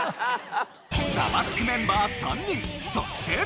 『ザワつく！』メンバー３人そして。